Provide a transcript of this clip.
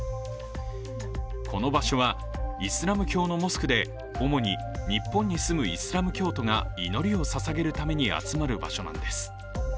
この場所はイスラム教のモスクで主に日本に住むイスラム教徒が祈りをささげるために集まる場所なんです。